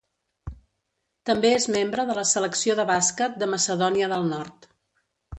També és membre de la Selecció de bàsquet de Macedònia del Nord.